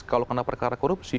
kalau kena perkara korupsi